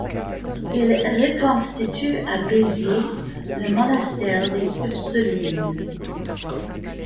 Il reconstitue à Béziers le monastère des Ursulines.